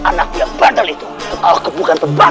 anak yang bandel itu aku bukan tempat